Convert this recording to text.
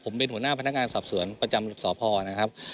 ผมเป็นหัวหน้าพนักงานสอบสวนประจำสพนะครับ